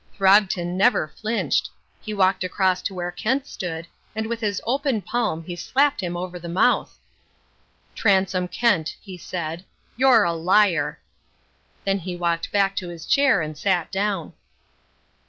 Throgton never flinched. He walked across to where Kent stood, and with his open palm he slapped him over the mouth. "Transome Kent," he said, "you're a liar." Then he walked back to his chair and sat down.